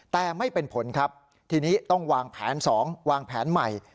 แต่ไม่เป็นผลครับทีนี้ต้องวางแผน๒วางแผนใหม่